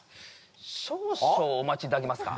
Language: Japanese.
少々お待ちいただけますか？